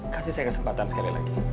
kasih saya kesempatan sekali lagi